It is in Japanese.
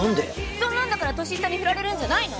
そんなんだから年下にフラれるんじゃないの？